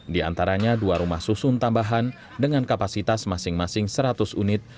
di antaranya dua rumah susun tambahan dengan kapasitas masing masing seratus unit